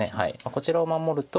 こちらを守ると。